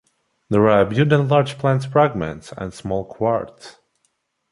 There are abundant Large plant fragments and small Quartz.